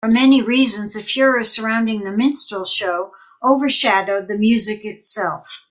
For many reasons, the furor surrounding "The Minstrel Show" overshadowed the music itself.